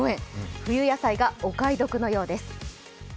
冬野菜がお買い得のようです。